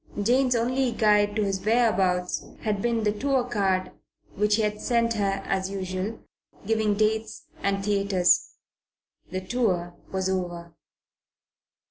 Jane's only guide to his whereabouts had been the tour card which he had sent her as usual, giving dates and theatres. And the tour was over.